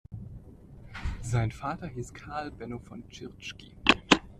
Sein Vater hieß Karl Benno von Tschirschky.